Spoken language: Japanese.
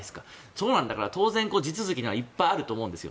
そうなんだから当然、地続きならいっぱいあると思うんですよ。